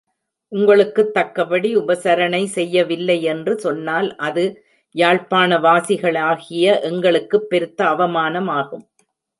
உங்களுக்குத் தக்கபடி உபசரணை செய்யவில்லையென்று சொன்னால், அது யாழ்ப்பாணவாசிகளாகிய எங்களுக்குப் பெருத்த அவமானமாகும்.